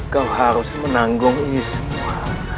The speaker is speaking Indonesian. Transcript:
kau harus menanggung ini semua